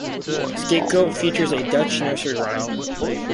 "Scapegoat" features a Dutch nursery rhyme.